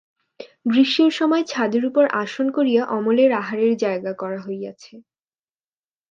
গ্রীষ্মের সময় ছাদের উপর আসন করিয়া অমলের আহারের জায়গা করা হইয়াছে।